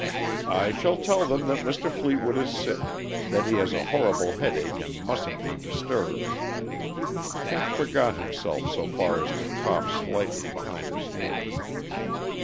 "I shall tell them that Mr. Fleetwood is sick that he has a horrible headache, and mustn't be disturbed." Kent forgot himself so far as to cough slightly behind his hand.